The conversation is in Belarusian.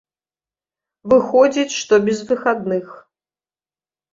Выходзіць, што без выхадных.